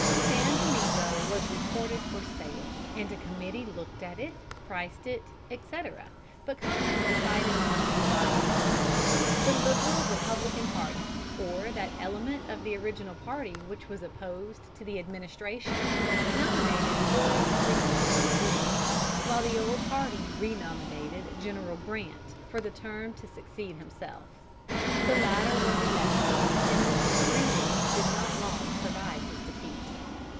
San Domingo was reported for sale, and a committee looked at it, priced it, etc., but Congress decided not to buy it. The Liberal Republican party, or that element of the original party which was opposed to the administration, nominated Horace Greeley, of New York, while the old party renominated General Grant for the term to succeed himself. The latter was elected, and Mr. Greeley did not long survive his defeat.